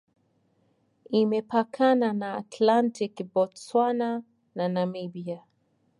Imepakana na Atlantiki, Botswana na Namibia.